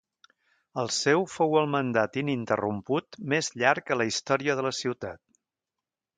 El seu fou el mandat ininterromput més llarg a la història de la ciutat.